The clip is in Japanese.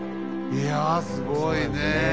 いやすごいねえ！